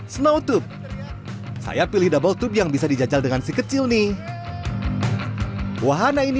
snowtup saya pilih double toop yang bisa dijajal dengan si kecil nih wahana ini